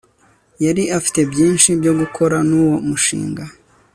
Yari afite byinshi byo gukora nuwo mushinga